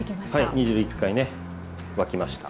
煮汁１回ね沸きました。